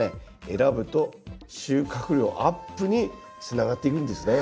選ぶと収穫量アップにつながっていくんですね。